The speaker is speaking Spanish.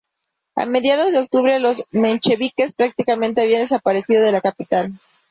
A mediados de octubre, los mencheviques prácticamente habían desaparecido de la capital.